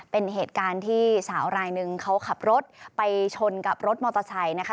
เป็นเหตุการณ์ที่สาวรายหนึ่งเขาขับรถไปชนกับรถมอเตอร์ไซค์นะคะ